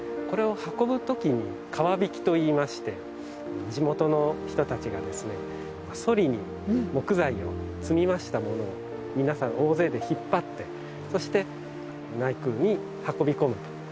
これを運ぶときに川曳といいまして地元の人たちがそりに木材を積みましたものを皆さん大勢で引っ張ってそして内宮に運び込むと。